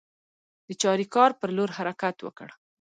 د چاریکار پر لور حرکت وکړ.